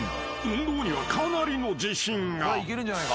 ［運動にはかなりの自信が］